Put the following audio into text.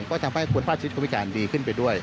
ก็ทำเพื่อให้ภาพลิกของคนพิการดีขึ้นไปด้วย